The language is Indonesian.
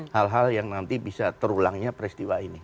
hal hal yang nanti bisa terulangnya peristiwa ini